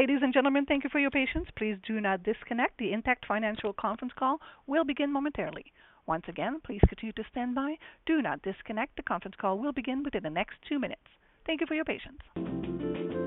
Ladies and gentlemen, thank you for your patience. Please do not disconnect. The Intact Financial conference call will begin momentarily. Once again, please continue to stand by. Do not disconnect. The conference call will begin within the next two minutes. Thank you for your patience.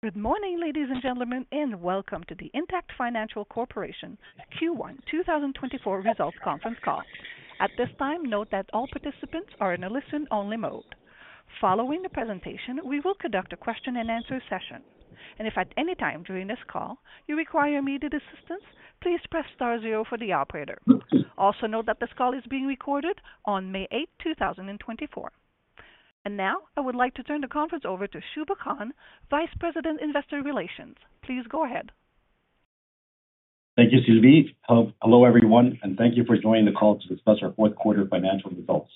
Good morning, ladies and gentlemen, and welcome to the Intact Financial Corporation Q1 2024 Results Conference Call. At this time, note that all participants are in a listen-only mode. Following the presentation, we will conduct a question-and-answer session, and if at any time during this call you require immediate assistance, please press star zero for the operator. Also note that this call is being recorded on May 8th, 2024. Now, I would like to turn the conference over to Shubha Khan, Vice President, Investor Relations. Please go ahead. Thank you, Sylvie. Hello, everyone, and thank you for joining the call to discuss our fourth quarter financial results.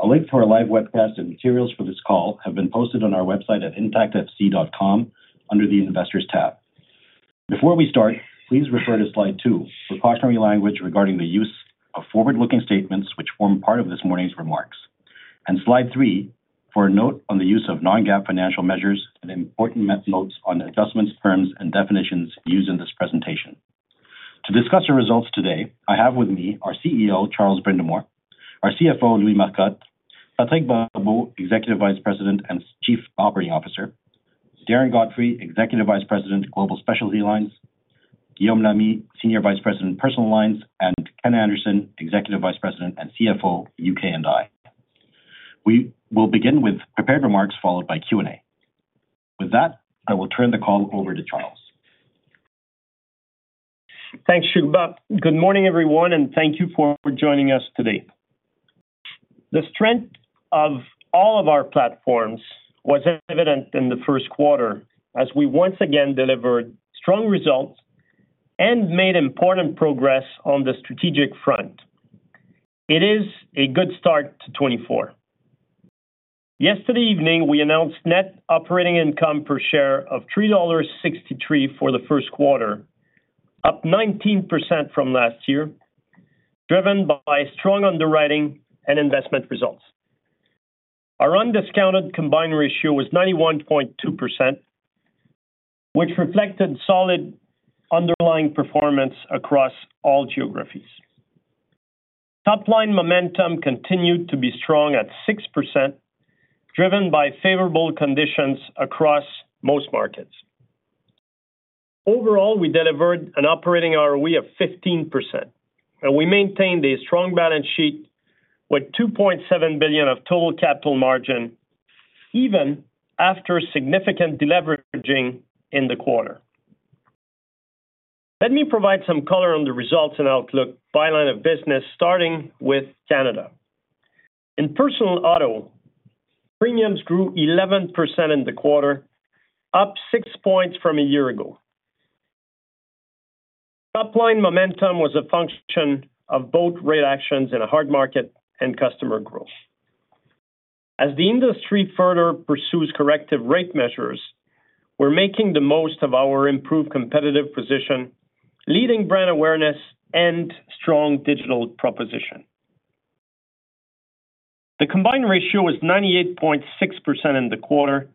A link to our live webcast and materials for this call have been posted on our website at intactfc.com under the Investors tab. Before we start, please refer to slide two, precautionary language regarding the use of forward-looking statements, which form part of this morning's remarks, and slide three for a note on the use of non-GAAP financial measures and important method notes on adjustments, terms and definitions used in this presentation. To discuss the results today, I have with me our CEO, Charles Brindamour, our CFO, Louis Marcotte, Patrick Barbeau, Executive Vice President and Chief Operating Officer, Darren Godfrey, Executive Vice President, Global Specialty Lines, Guillaume Lamy, Senior Vice President, Personal Lines, and Ken Anderson, Executive Vice President and CFO, UK&I. We will begin with prepared remarks, followed by Q&A. With that, I will turn the call over to Charles. Thanks, Shubha. Good morning, everyone, and thank you for joining us today. The strength of all of our platforms was evident in the first quarter as we once again delivered strong results and made important progress on the strategic front. It is a good start to 2024. Yesterday evening, we announced net operating income per share of 3.63 dollars for the first quarter, up 19% from last year, driven by strong underwriting and investment results. Our undiscounted combined ratio was 91.2%, which reflected solid underlying performance across all geographies. Top-line momentum continued to be strong at 6%, driven by favorable conditions across most markets. Overall, we delivered an operating ROE of 15%, and we maintained a strong balance sheet with 2.7 billion of total capital margin even after significant deleveraging in the quarter. Let me provide some color on the results and outlook by line of business, starting with Canada. In personal auto, premiums grew 11% in the quarter, up 6 points from a year ago. Top-line momentum was a function of both rate actions in a hard market and customer growth. As the industry further pursues corrective rate measures, we're making the most of our improved competitive position, leading brand awareness and strong digital proposition. The combined ratio was 98.6% in the quarter,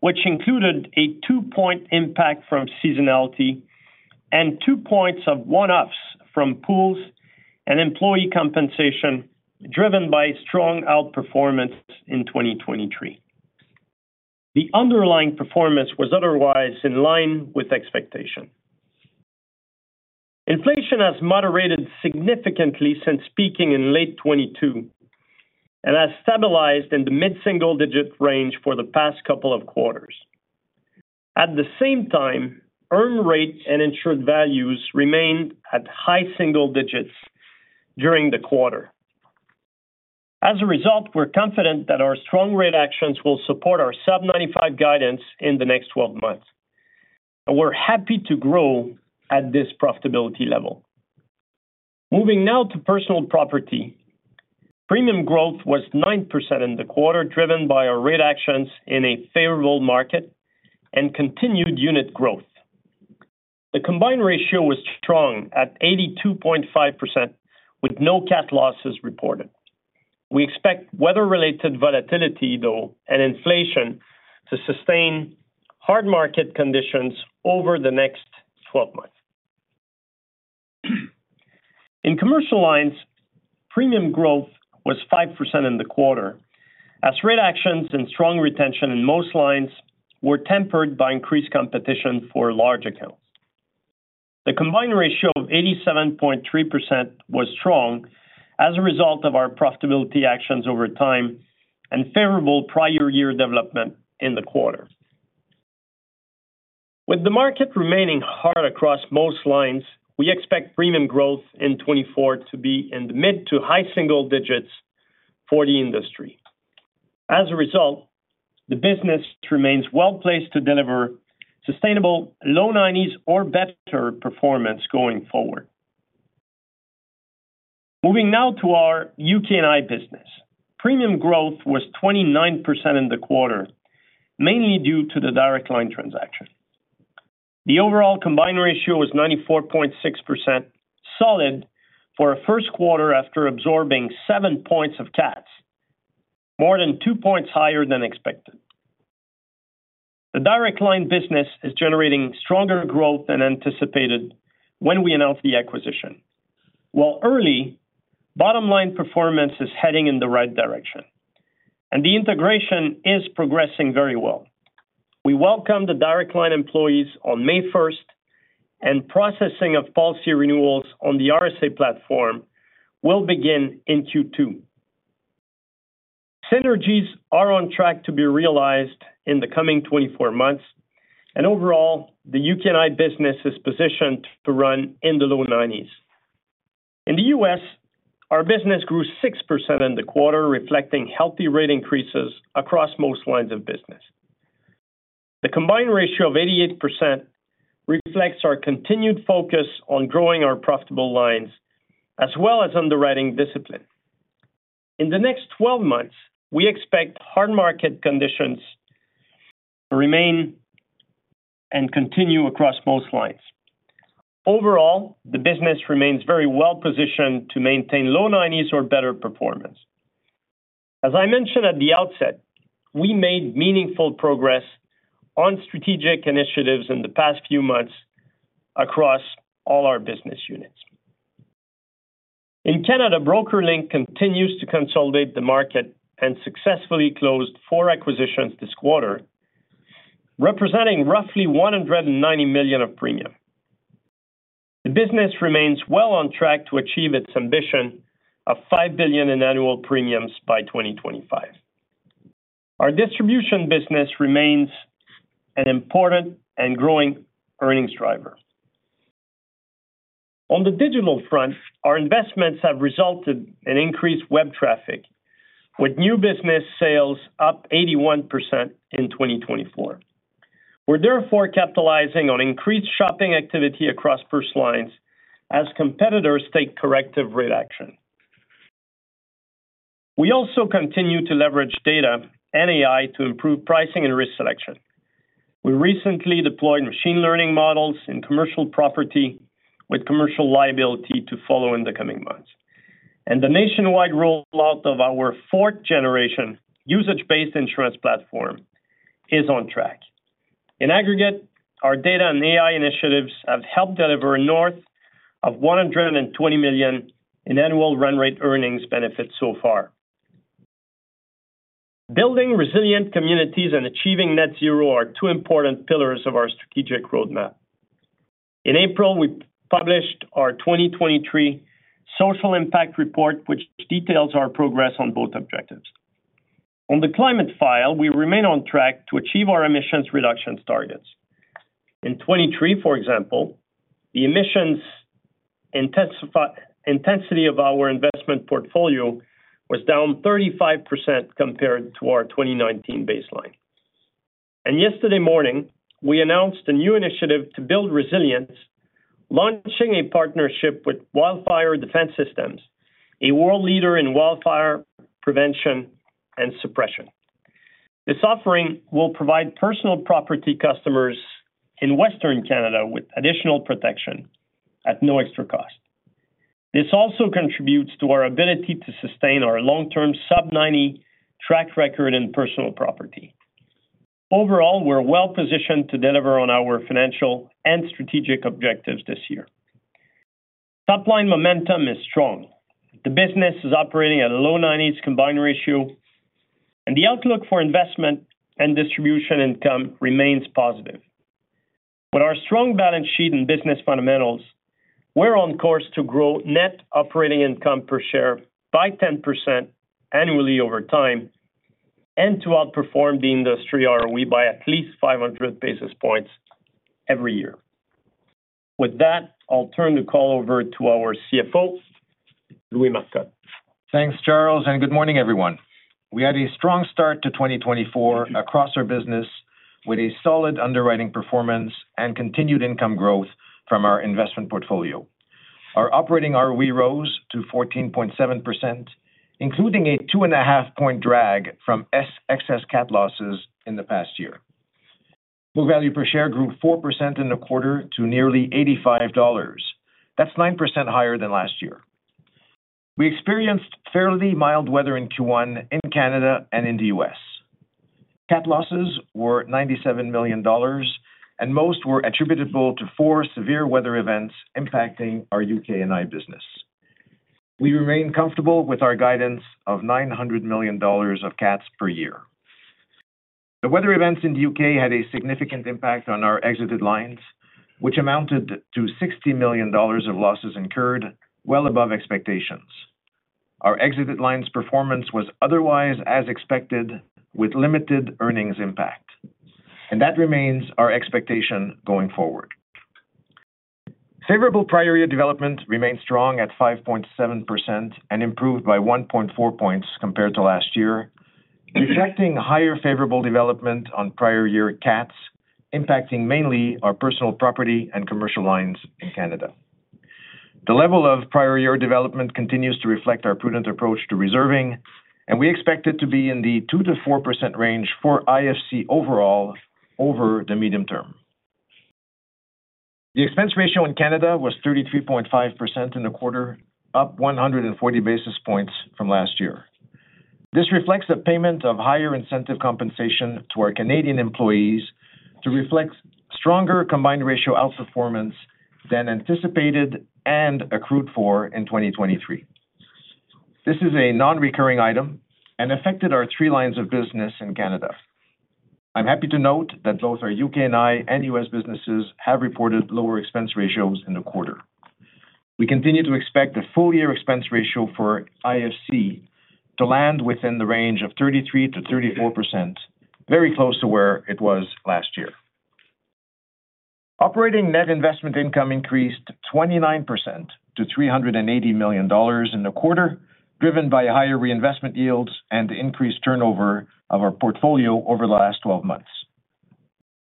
which included a 2-point impact from seasonality and 2 points of one-offs from pools and employee compensation, driven by strong outperformance in 2023. The underlying performance was otherwise in line with expectation. Inflation has moderated significantly since peaking in late 2022 and has stabilized in the mid-single digit range for the past couple of quarters. At the same time, earn rate and insured values remained at high single digits during the quarter. As a result, we're confident that our strong rate actions will support our sub-95 guidance in the next 12 months, and we're happy to grow at this profitability level. Moving now to personal property. Premium growth was 9% in the quarter, driven by our rate actions in a favorable market and continued unit growth. The combined ratio was strong at 82.5%, with no cat losses reported. We expect weather-related volatility, though, and inflation to sustain hard market conditions over the next 12 months. In commercial lines, premium growth was 5% in the quarter, as rate actions and strong retention in most lines were tempered by increased competition for large accounts. The combined ratio of 87.3% was strong as a result of our profitability actions over time and favorable prior year development in the quarter. With the market remaining hard across most lines, we expect premium growth in 2024 to be in the mid- to high-single digits for the industry. As a result, the business remains well-placed to deliver sustainable low 90s or better performance going forward. Moving now to our UK&I business. Premium growth was 29% in the quarter, mainly due to the Direct Line transaction. The overall combined ratio was 94.6%, solid for a first quarter after absorbing 7 points of cats, more than 2 points higher than expected. The Direct Line business is generating stronger growth than anticipated when we announced the acquisition. While early, bottom line performance is heading in the right direction, and the integration is progressing very well. We welcome the Direct Line employees on May 1st, and processing of policy renewals on the RSA platform will begin in Q2. Synergies are on track to be realized in the coming 24 months, and overall, the UK&I business is positioned to run in the low 90s. In the U.S., our business grew 6% in the quarter, reflecting healthy rate increases across most lines of business. The combined ratio of 88% reflects our continued focus on growing our profitable lines, as well as underwriting discipline. In the next 12 months, we expect hard market conditions to remain and continue across most lines. Overall, the business remains very well positioned to maintain low 90s or better performance. As I mentioned at the outset, we made meaningful progress on strategic initiatives in the past few months across all our business units. In Canada, BrokerLink continues to consolidate the market and successfully closed four acquisitions this quarter, representing roughly 190 million of premium. The business remains well on track to achieve its ambition of 5 billion in annual premiums by 2025. Our distribution business remains an important and growing earnings driver. On the digital front, our investments have resulted in increased web traffic, with new business sales up 81% in 2024. We're therefore capitalizing on increased shopping activity across personal lines as competitors take corrective rate action. We also continue to leverage data and AI to improve pricing and risk selection. We recently deployed machine learning models in commercial property, with commercial liability to follow in the coming months, and the nationwide rollout of our fourth generation usage-based insurance platform is on track. In aggregate, our data and AI initiatives have helped deliver north of 120 million in annual run rate earnings benefits so far. Building resilient communities and achieving net zero are two important pillars of our strategic roadmap. In April, we published our 2023 social impact report, which details our progress on both objectives. On the climate file, we remain on track to achieve our emissions reductions targets. In 2023, for example, the emissions intensity of our investment portfolio was down 35% compared to our 2019 baseline. Yesterday morning, we announced a new initiative to build resilience, launching a partnership with Wildfire Defense Systems, a world leader in wildfire prevention and suppression. This offering will provide personal property customers in Western Canada with additional protection at no extra cost. This also contributes to our ability to sustain our long-term sub-90 track record in personal property. Overall, we're well positioned to deliver on our financial and strategic objectives this year. Top-line momentum is strong. The business is operating at a low-90s combined ratio, and the outlook for investment and distribution income remains positive. With our strong balance sheet and business fundamentals, we're on course to grow net operating income per share by 10% annually over time and to outperform the industry ROE by at least 500 basis points every year. With that, I'll turn the call over to our CFO, Louis Marcotte. Thanks, Charles, and good morning, everyone. We had a strong start to 2024 across our business, with a solid underwriting performance and continued income growth from our investment portfolio. Our operating ROE rose to 14.7%, including a 2.5-point drag from excess cat losses in the past year. Book value per share grew 4% in the quarter to nearly 85 dollars. That's 9% higher than last year. We experienced fairly mild weather in Q1 in Canada and in the U.S. Cat losses were 97 million dollars, and most were attributable to four severe weather events impacting our UK&I business. We remain comfortable with our guidance of 900 million dollars of cats per year. The weather events in the U.K. had a significant impact on our exited lines, which amounted to 60 million dollars of losses incurred, well above expectations. Our exited lines performance was otherwise as expected, with limited earnings impact, and that remains our expectation going forward. Favorable prior year development remained strong at 5.7% and improved by 1.4 points compared to last year, reflecting higher favorable development on prior year cats, impacting mainly our personal property and commercial lines in Canada. The level of prior year development continues to reflect our prudent approach to reserving, and we expect it to be in the 2%-4% range for IFC overall over the medium term. The expense ratio in Canada was 33.5% in the quarter, up 140 basis points from last year. This reflects a payment of higher incentive compensation to our Canadian employees to reflect stronger combined ratio outperformance than anticipated and accrued for in 2023. This is a non-recurring item and affected our three lines of business in Canada. I'm happy to note that both our UK&I and US businesses have reported lower expense ratios in the quarter. We continue to expect the full year expense ratio for IFC to land within the range of 33%-34%, very close to where it was last year. Operating net investment income increased 29% to 380 million dollars in the quarter, driven by higher reinvestment yields and increased turnover of our portfolio over the last 12 months.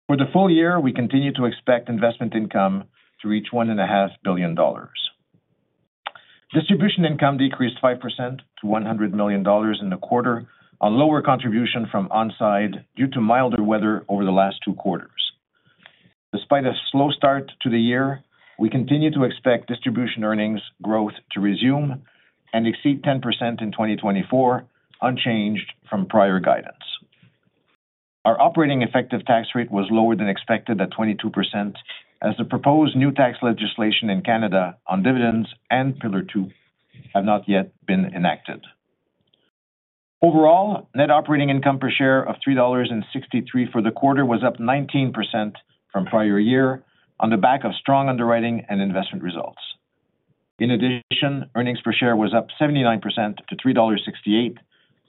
For the full year, we continue to expect investment income to reach 1.5 billion dollars. Distribution income decreased 5% to 100 million dollars in the quarter, a lower contribution from On Side due to milder weather over the last two quarters. Despite a slow start to the year, we continue to expect distribution earnings growth to resume and exceed 10% in 2024, unchanged from prior guidance. Our operating effective tax rate was lower than expected at 22%, as the proposed new tax legislation in Canada on dividends and Pillar Two have not yet been enacted. Overall, net operating income per share of 3.63 dollars for the quarter was up 19% from prior year on the back of strong underwriting and investment results. In addition, earnings per share was up 79% to 3.68 dollars,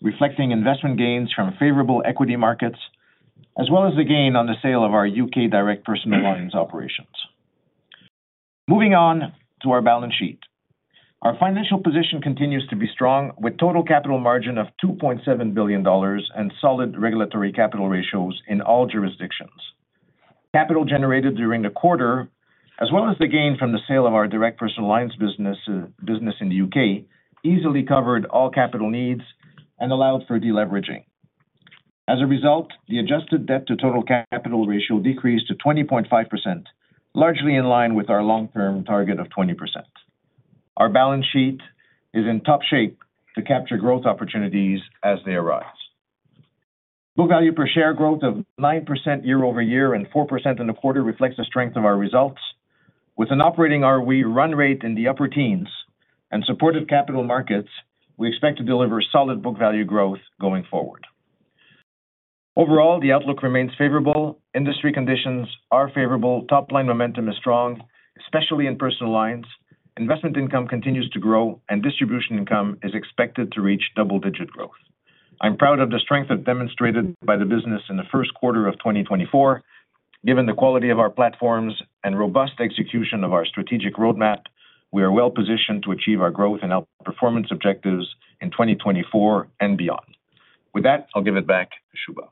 reflecting investment gains from favorable equity markets, as well as the gain on the sale of our U.K. direct personal lines operations. Moving on to our balance sheet. Our financial position continues to be strong, with total capital margin of 2.7 billion dollars and solid regulatory capital ratios in all jurisdictions. Capital generated during the quarter, as well as the gain from the sale of our direct personal lines business, business in the U.K., easily covered all capital needs and allowed for deleveraging. As a result, the adjusted debt to total capital ratio decreased to 20.5%, largely in line with our long-term target of 20%. Our balance sheet is in top shape to capture growth opportunities as they arise. Book value per share growth of 9% year-over-year and 4% in the quarter reflects the strength of our results. With an operating ROE run rate in the upper teens and supportive capital markets, we expect to deliver solid book value growth going forward. Overall, the outlook remains favorable. Industry conditions are favorable. Top-line momentum is strong, especially in personal lines. Investment income continues to grow, and distribution income is expected to reach double-digit growth. I'm proud of the strength that demonstrated by the business in the first quarter of 2024. Given the quality of our platforms and robust execution of our strategic roadmap, we are well positioned to achieve our growth and outperformance objectives in 2024 and beyond. With that, I'll give it back to Shubha.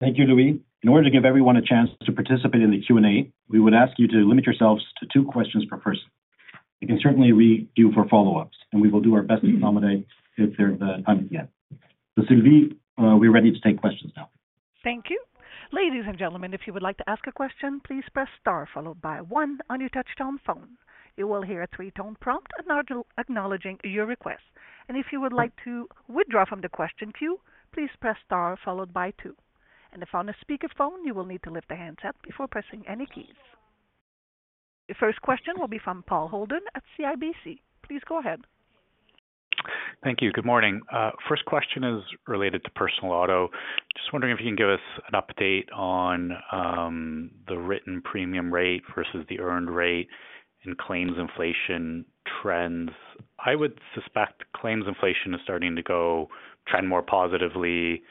Thank you, Louis. In order to give everyone a chance to participate in the Q&A, we would ask you to limit yourselves to two questions per person. You can certainly re-queue for follow-ups, and we will do our best to accommodate if there's time at the end. So Sylvie, we're ready to take questions now. Thank you. Ladies and gentlemen, if you would like to ask a question, please press star followed by one on your touchtone phone. You will hear a three-tone prompt acknowledging your request. If you would like to withdraw from the question queue, please press star followed by two. If on a speakerphone, you will need to lift the handset before pressing any keys. The first question will be from Paul Holden at CIBC. Please go ahead. Thank you. Good morning. First question is related to personal auto. Just wondering if you can give us an update on the written premium rate versus the earned rate and claims inflation trends. I would suspect claims inflation is starting to go trend more positively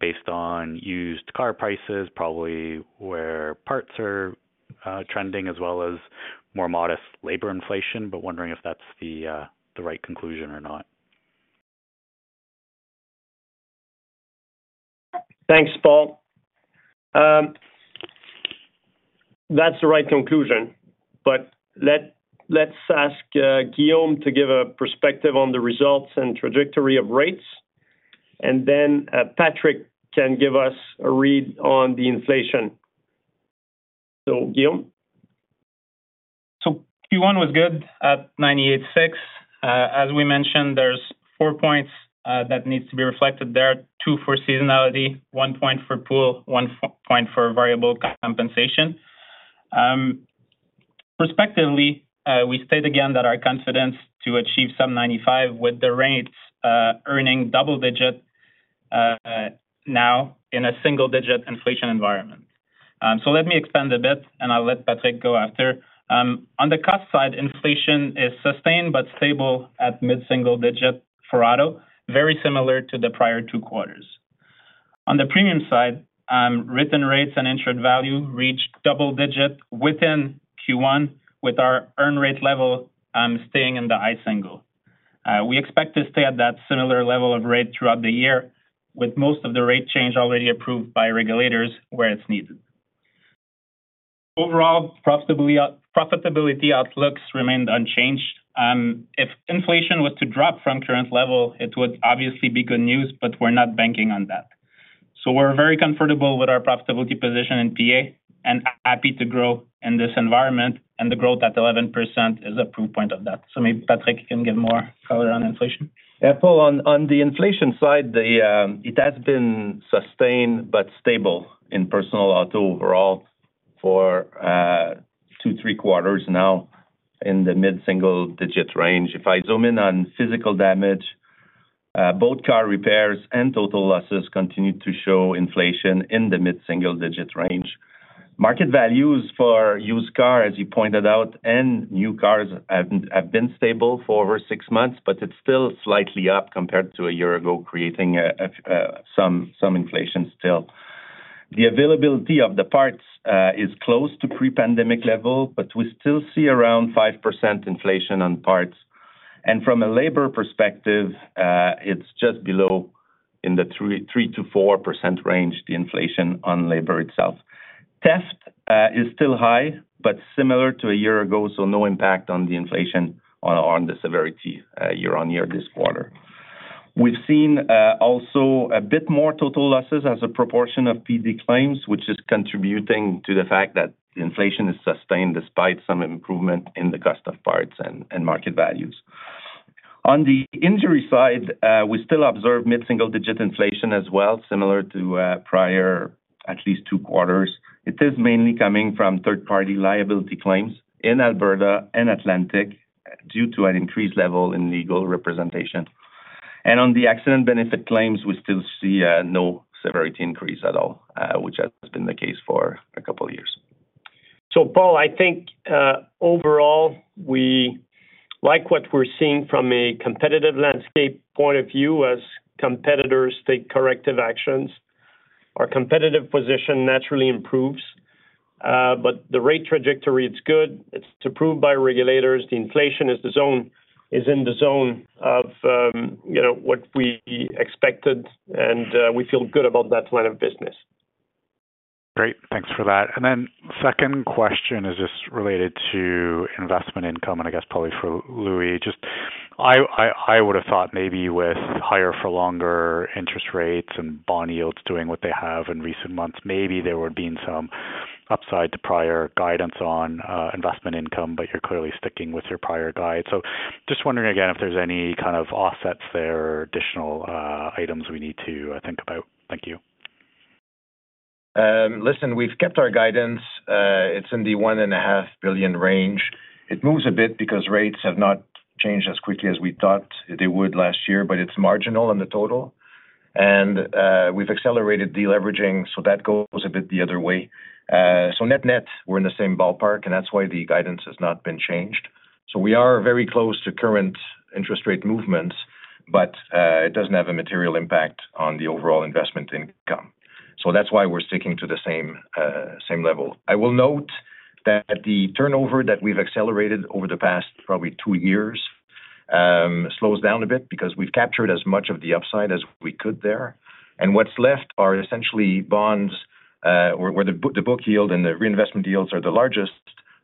based on used car prices, probably where parts are trending, as well as more modest labor inflation, but wondering if that's the right conclusion or not? Thanks, Paul. That's the right conclusion, but let's ask Guillaume to give a perspective on the results and trajectory of rates, and then Patrick can give us a read on the inflation. Guillaume? So Q1 was good at 98.6%. As we mentioned, there's four points that needs to be reflected there. Two for seasonality, one point for pool, one point for variable compensation. Respectively, we state again that our confidence to achieve some 95% with the rates earning double digit now in a single digit inflation environment. So let me expand a bit, and I'll let Patrick go after. On the cost side, inflation is sustained but stable at mid-single digit for auto, very similar to the prior two quarters. On the premium side, written rates and insured value reached double digit within Q1, with our earn rate level staying in the high single. We expect to stay at that similar level of rate throughout the year, with most of the rate change already approved by regulators where it's needed. Overall, profitability, profitability outlooks remained unchanged. If inflation was to drop from current level, it would obviously be good news, but we're not banking on that. So we're very comfortable with our profitability position in PA and happy to grow in this environment, and the growth at 11% is a proof point of that. So maybe Patrick can give more color on inflation. Yeah, Paul, on the inflation side, it has been sustained but stable in personal auto overall for two, three quarters now in the mid-single digit range. If I zoom in on physical damage, both car repairs and total losses continue to show inflation in the mid-single digit range. Market values for used cars, as you pointed out, and new cars have been stable for over 6 months, but it's still slightly up compared to a year ago, creating some inflation still. The availability of the parts is close to pre-pandemic level, but we still see around 5% inflation on parts. And from a labor perspective, it's just below in the 3%-4% range, the inflation on labor itself. Theft is still high, but similar to a year ago, so no impact on the inflation or on the severity year-on-year this quarter. We've seen also a bit more total losses as a proportion of PD claims, which is contributing to the fact that inflation is sustained despite some improvement in the cost of parts and, and market values. On the injury side, we still observe mid-single digit inflation as well, similar to prior at least two quarters. It is mainly coming from third-party liability claims in Alberta and Atlantic due to an increased level in legal representation. And on the accident benefit claims, we still see no severity increase at all, which has been the case for a couple of years. Paul, I think, overall, we like what we're seeing from a competitive landscape point of view as competitors take corrective actions. Our competitive position naturally improves, but the rate trajectory, it's good. It's approved by regulators. The inflation is in the zone of, you know, what we expected, and, we feel good about that line of business. Great, thanks for that. And then second question is just related to investment income, and I guess probably for Louis. Just I would have thought maybe with higher for longer interest rates and bond yields doing what they have in recent months, maybe there would have been some upside to prior guidance on investment income, but you're clearly sticking with your prior guide. So just wondering again if there's any kind of offsets there or additional items we need to think about. Thank you. Listen, we've kept our guidance. It's in the 1.5 billion range. It moves a bit because rates have not changed as quickly as we thought they would last year, but it's marginal in the total. And, we've accelerated deleveraging, so that goes a bit the other way. So net-net, we're in the same ballpark, and that's why the guidance has not been changed. So we are very close to current interest rate movements, but, it doesn't have a material impact on the overall investment income. So that's why we're sticking to the same, same level. I will note that the turnover that we've accelerated over the past, probably two years, slows down a bit because we've captured as much of the upside as we could there. What's left are essentially bonds, where the book yield and the reinvestment yields are the largest,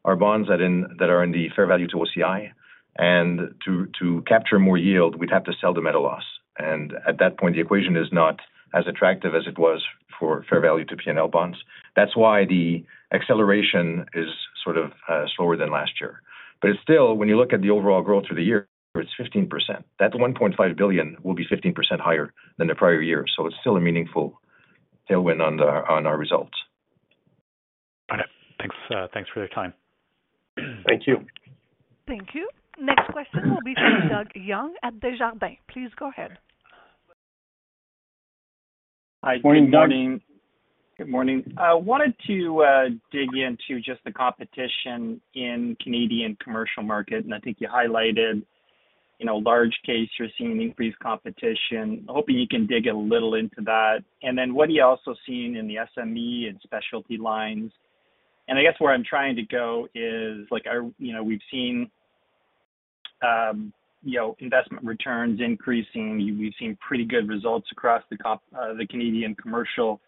are bonds that are in the fair value to OCI, and to capture more yield, we'd have to sell them at a loss. At that point, the equation is not as attractive as it was for fair value to P&L bonds. That's why the acceleration is sort of slower than last year. But it's still, when you look at the overall growth for the year, it's 15%. That 1.5 billion will be 15% higher than the prior year, so it's still a meaningful tailwind on our results. Thanks for your time. Thank you. Thank you. Next question will be from Doug Young at Desjardins. Please go ahead. Hi, good morning. Good morning. I wanted to dig into just the competition in Canadian commercial market, and I think you highlighted, you know, large case, you're seeing increased competition. Hoping you can dig a little into that. And then what are you also seeing in the SME and specialty lines? And I guess where I'm trying to go is, like, you know, we've seen, you know, investment returns increasing. We've seen pretty good results across the top, the Canadian commercial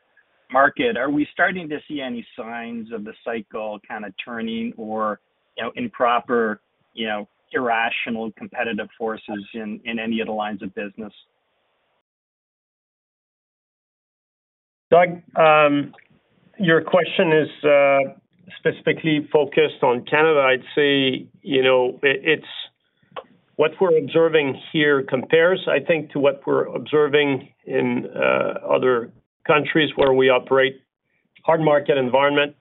market. Are we starting to see any signs of the cycle kind of turning or, you know, improper, you know, irrational competitive forces in any of the lines of business? Doug, your question is specifically focused on Canada. I'd say, you know, it's what we're observing here compares, I think, to what we're observing in other countries where we operate. Hard market environment,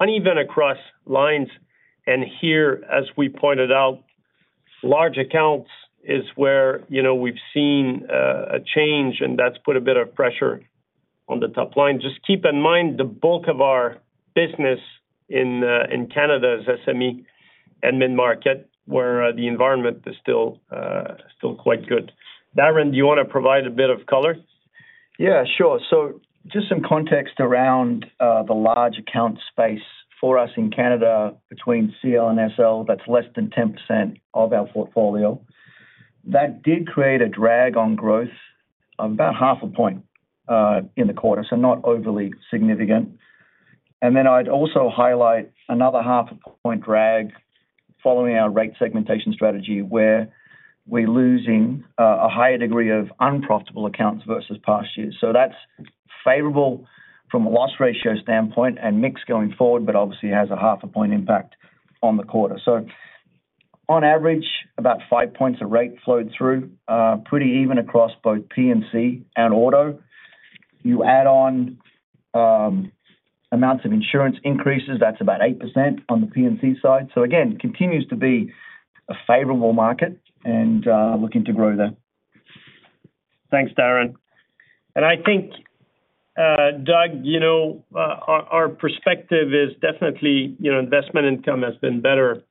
uneven across lines, and here, as we pointed out, large accounts is where, you know, we've seen a change, and that's put a bit of pressure on the top line. Just keep in mind, the bulk of our business in Canada is SME and mid-market, where the environment is still quite good. Darren, do you want to provide a bit of color? Yeah, sure. So just some context around the large account space for us in Canada, between CL and SL, that's less than 10% of our portfolio. That did create a drag on growth of about 0.5 point in the quarter, so not overly significant. And then I'd also highlight another 0.5 point drag following our rate segmentation strategy, where we're losing a higher degree of unprofitable accounts versus past years. So that's favorable from a loss ratio standpoint and mix going forward, but obviously has a 0.5 point impact on the quarter. So on average, about 5 points of rate flowed through, pretty even across both P&C and auto. You add on amounts of insurance increases, that's about 8% on the P&C side. So again, continues to be a favorable market and looking to grow that. Thanks, Darren. And I think, Doug, you know, our, our perspective is definitely, you know, investment income has been better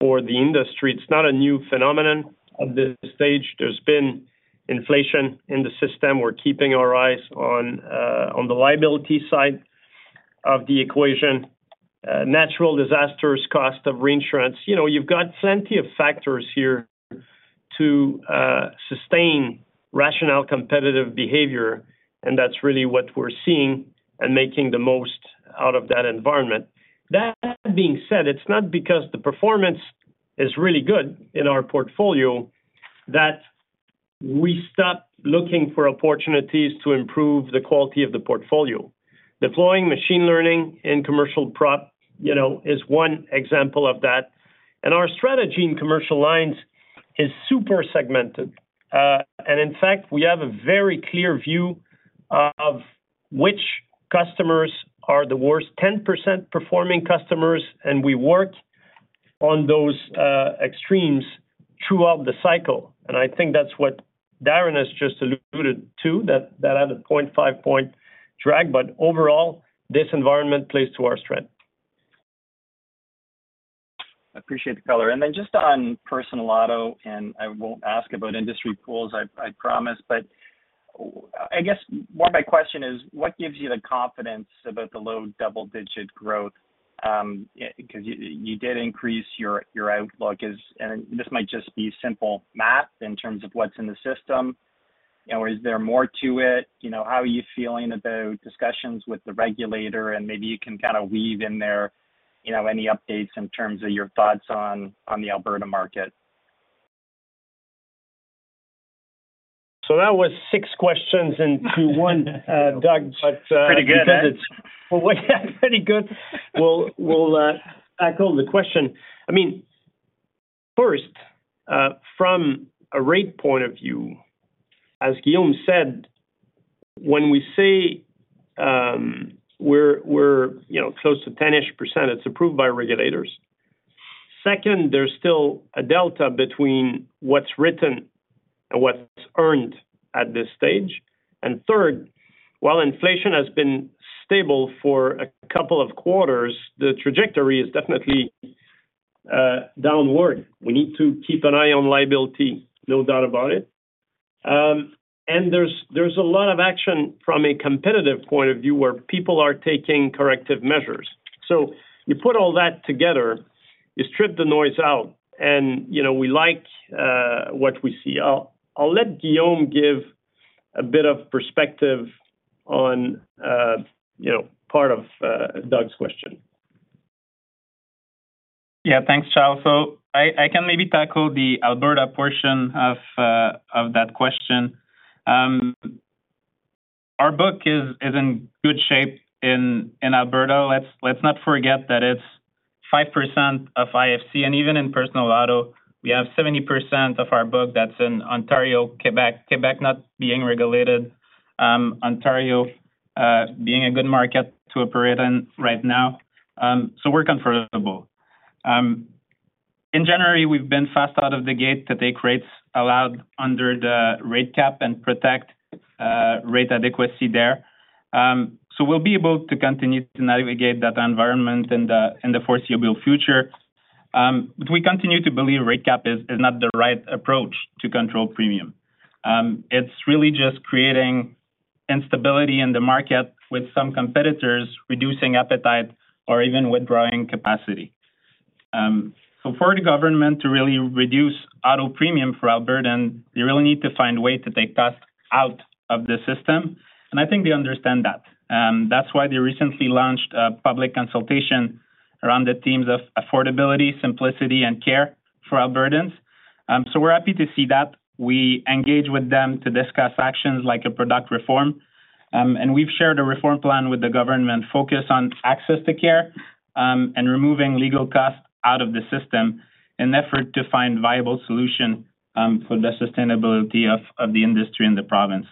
for the industry. It's not a new phenomenon at this stage. There's been inflation in the system. We're keeping our eyes on, on the liability side of the equation. Natural disasters, cost of reinsurance, you know, you've got plenty of factors here to sustain rational, competitive behavior, and that's really what we're seeing and making the most out of that environment. That being said, it's not because the performance is really good in our portfolio, that we stop looking for opportunities to improve the quality of the portfolio. Deploying machine learning in commercial prop, you know, is one example of that. And our strategy in commercial lines is super segmented. In fact, we have a very clear view of which customers are the worst 10% performing customers, and we work on those extremes throughout the cycle. I think that's what Darren has just alluded to, that had a 0.5-point drag. But overall, this environment plays to our strength. Appreciate the color. And then just on personal auto, and I won't ask about industry pools, I promise. But I guess more my question is, what gives you the confidence about the low double-digit growth? Because you did increase your outlook is... And this might just be simple math in terms of what's in the system, you know, is there more to it? You know, how are you feeling about discussions with the regulator? And maybe you can kind of weave in there, you know, any updates in terms of your thoughts on the Alberta market. So that was six questions into one, Doug, but- Pretty good, eh? Pretty good. We'll tackle the question. I mean, first, from a rate point of view, as Guillaume said, when we say, we're, you know, close to 10%-ish, it's approved by regulators. Second, there's still a delta between what's written and what's earned at this stage. And third, while inflation has been stable for a couple of quarters, the trajectory is definitely downward. We need to keep an eye on liability, no doubt about it. And there's a lot of action from a competitive point of view, where people are taking corrective measures. So you put all that together, you strip the noise out, and, you know, we like what we see. I'll let Guillaume give a bit of perspective on, you know, part of Doug's question. Yeah. Thanks, Charles. So I can maybe tackle the Alberta portion of that question. Our book is in good shape in Alberta. Let's not forget that it's five percent of IFC, and even in personal auto, we have 70% of our book that's in Ontario, Quebec. Quebec not being regulated, Ontario being a good market to operate in right now. So we're comfortable. In January, we've been fast out of the gate to take rates allowed under the rate cap and protect rate adequacy there. So we'll be able to continue to navigate that environment in the foreseeable future. But we continue to believe rate cap is not the right approach to control premium. It's really just creating instability in the market with some competitors reducing appetite or even withdrawing capacity. So for the government to really reduce auto premium for Alberta, they really need to find a way to take costs out of the system, and I think they understand that. That's why they recently launched a public consultation around the themes of affordability, simplicity, and care for Albertans. So we're happy to see that. We engage with them to discuss actions like a product reform. And we've shared a reform plan with the government focused on access to care, and removing legal costs out of the system in an effort to find viable solution, for the sustainability of the industry in the province.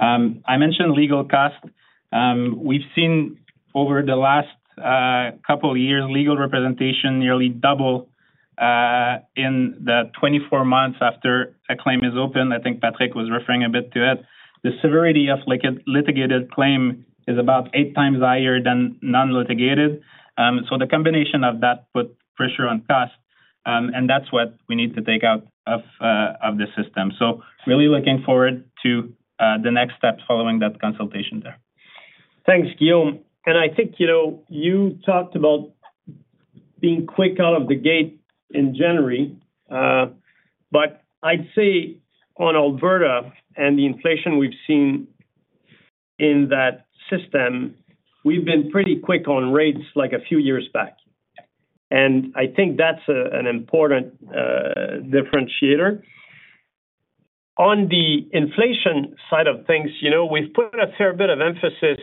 I mentioned legal cost. We've seen over the last couple of years, legal representation nearly double, in the 24 months after a claim is opened. I think Patrick was referring a bit to it. The severity of litigated claim is about 8x higher than non-litigated. So the combination of that put pressure on cost, and that's what we need to take out of the system. So really looking forward to the next steps following that consultation there. Thanks, Guillaume. And I think, you know, you talked about being quick out of the gate in January, but I'd say on Alberta and the inflation we've seen in that system, we've been pretty quick on rates like a few years back. And I think that's an important differentiator. On the inflation side of things, you know, we've put a fair bit of emphasis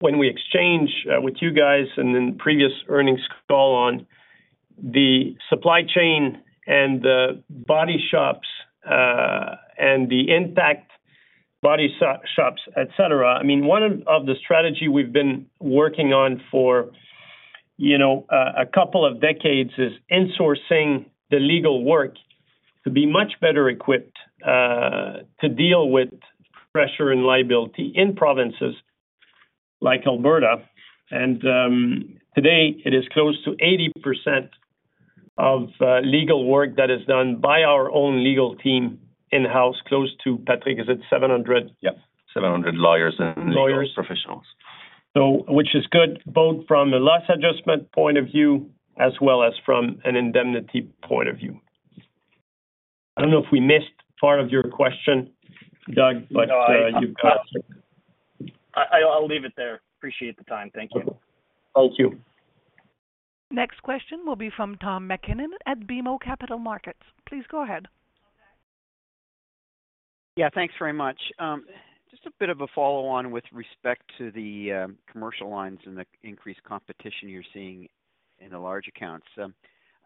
when we exchange with you guys and in previous earnings call on the supply chain and the body shops and the impact body shops, et cetera. I mean, one of the strategy we've been working on for, you know, a couple of decades is insourcing the legal work to be much better equipped to deal with pressure and liability in provinces like Alberta. Today, it is close to 80% of legal work that is done by our own legal team in-house, close to, Patrick, is it 700? Yep, 700 lawyers and- Lawyers -legal professionals. So which is good, both from a loss adjustment point of view as well as from an indemnity point of view. I don't know if we missed part of your question, Doug, but, you've got it. I'll leave it there. Appreciate the time. Thank you. Thank you. Next question will be from Tom MacKinnon at BMO Capital Markets. Please go ahead. Yeah, thanks very much. Just a bit of a follow-on with respect to the commercial lines and the increased competition you're seeing in the large accounts.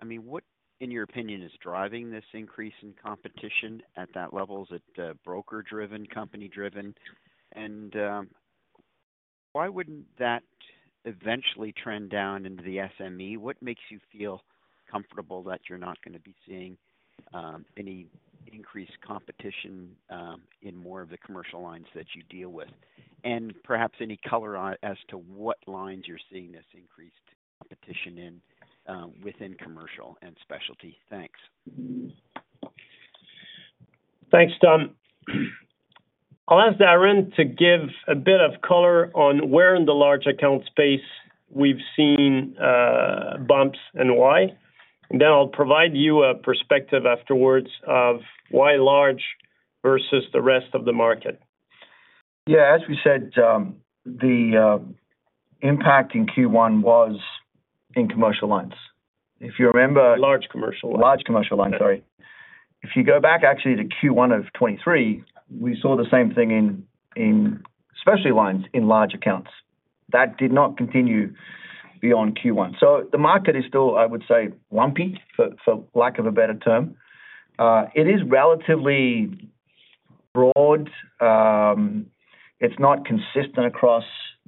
I mean, what, in your opinion, is driving this increase in competition at that level? Is it broker-driven, company-driven? And why wouldn't that eventually trend down into the SME? What makes you feel comfortable that you're not gonna be seeing any increased competition in more of the commercial lines that you deal with? And perhaps any color on as to what lines you're seeing this increased competition in within commercial and specialty? Thanks. Thanks, Tom. I'll ask Darren to give a bit of color on where in the large account space we've seen bumps and why. Then I'll provide you a perspective afterwards of why large versus the rest of the market. Yeah, as we said, the impact in Q1 was in commercial lines. If you remember- Large commercial lines. Large commercial lines, sorry. If you go back actually to Q1 of 2023, we saw the same thing in specialty lines in large accounts. That did not continue beyond Q1. So the market is still, I would say, lumpy, for lack of a better term. It is relatively broad. It's not consistent across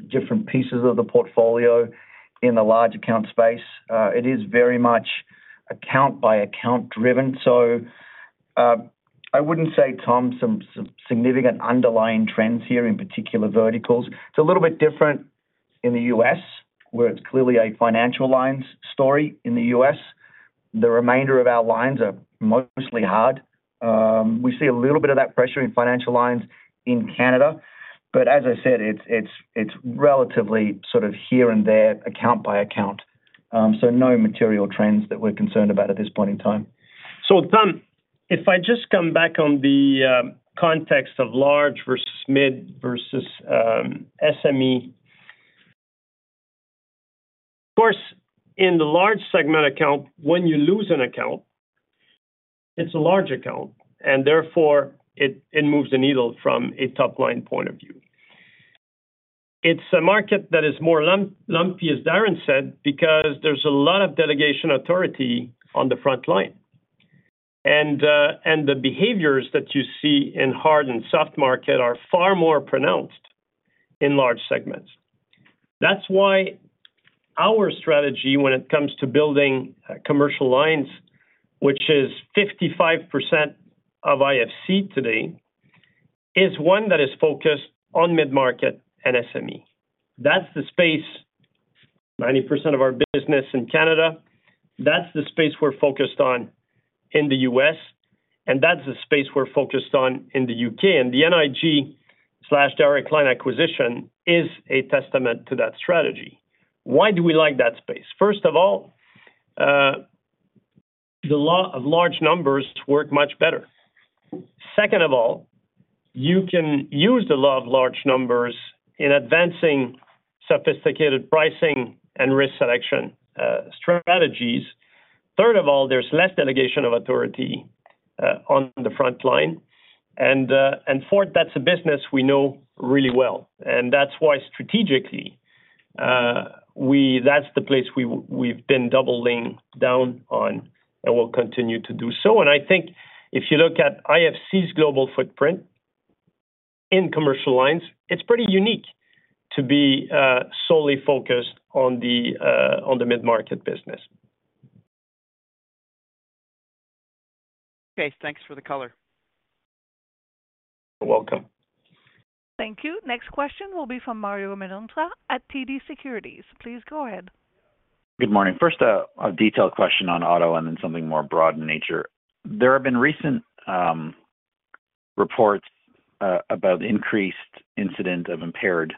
different pieces of the portfolio in the large account space. It is very much account-by-account driven. So, I wouldn't say, Tom, some significant underlying trends here, in particular, verticals. It's a little bit different in the U.S., where it's clearly a financial lines story in the U.S. The remainder of our lines are mostly hard. We see a little bit of that pressure in financial lines in Canada, but as I said, it's relatively sort of here and there, account by account. So no material trends that we're concerned about at this point in time. So Tom, if I just come back on the context of large versus mid versus SME. Of course, in the large segment account, when you lose an account. It's a large account, and therefore, it moves the needle from a top-line point of view. It's a market that is more lumpy, as Darren said, because there's a lot of delegated authority on the front line. And the behaviors that you see in hard and soft market are far more pronounced in large segments. That's why our strategy, when it comes to building commercial lines, which is 55% of IFC today, is one that is focused on mid-market and SME. That's the space 90% of our business in Canada, that's the space we're focused on in the U.S., and that's the space we're focused on in the U.K. And the NIG/Direct Line acquisition is a testament to that strategy. Why do we like that space? First of all, the law of large numbers work much better. Second of all, you can use the law of large numbers in advancing sophisticated pricing and risk selection, strategies. Third of all, there's less delegation of authority, on the front line. And, and fourth, that's a business we know really well, and that's why strategically, we -- that's the place we, we've been doubling down on, and we'll continue to do so. And I think if you look at IFC's global footprint in commercial lines, it's pretty unique to be, solely focused on the, on the mid-market business. Okay, thanks for the color. You're welcome. Thank you. Next question will be from Mario Mendonca at TD Securities. Please go ahead. Good morning. First, a detailed question on auto and then something more broad in nature. There have been recent reports about increased incidence of impaired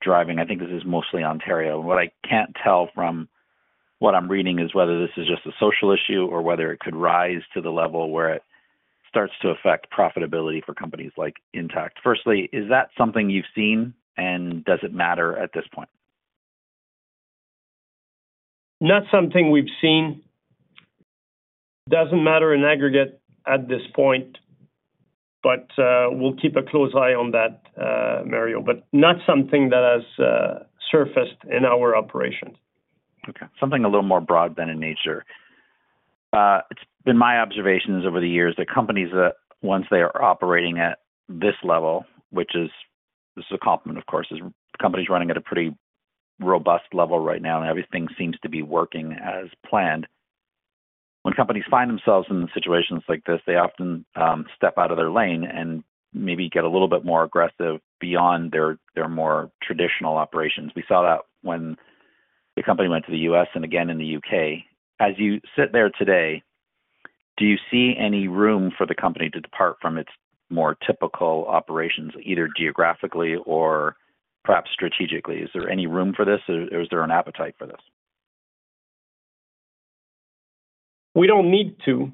driving. I think this is mostly Ontario. What I can't tell from what I'm reading is whether this is just a social issue or whether it could rise to the level where it starts to affect profitability for companies like Intact. Firstly, is that something you've seen, and does it matter at this point? Not something we've seen. Doesn't matter in aggregate at this point, but we'll keep a close eye on that, Mario, but not something that has surfaced in our operations. Okay, something a little more broad then in nature. It's been my observations over the years that companies, once they are operating at this level, which is—this is a compliment of course—companies running at a pretty robust level right now, and everything seems to be working as planned. When companies find themselves in situations like this, they often step out of their lane and maybe get a little bit more aggressive beyond their, their more traditional operations. We saw that when the company went to the U.S. and again in the U.K. As you sit there today, do you see any room for the company to depart from its more typical operations, either geographically or perhaps strategically? Is there any room for this, or, or is there an appetite for this? We don't need to.